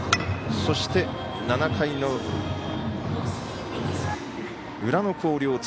そして７回の裏の広陵。